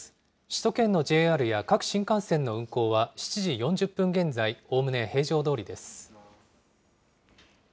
首都圏のＪＲや各新幹線の運行は、７時４０分現在、おおむね平常どおりです。